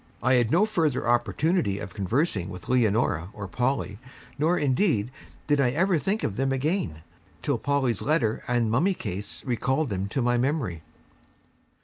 I had no further opportunity of conversing with Leonora and Polly, nor indeed did I ever think of them again, till Polly's letter and mummy case recalled them to my memory.